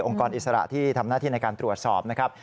กรอิสระที่ทำหน้าที่ในการตรวจสอบนะครับ